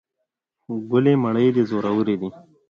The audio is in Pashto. ګلې مړې دې زورور دي.